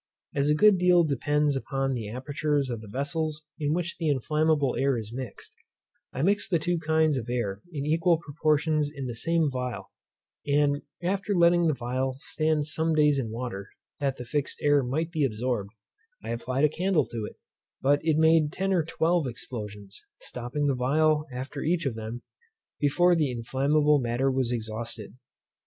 As a good deal depends upon the apertures of the vessels in which the inflammable air is mixed, I mixed the two kinds of air in equal proportions in the same phial, and after letting the phial stand some days in water, that the fixed air might be absorbed, I applied a candle to it, but it made ten or twelve explosions (stopping the phial after each of them) before the inflammable matter was exhausted.